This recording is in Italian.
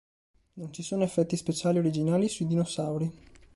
Non ci sono effetti speciali originali sui dinosauri.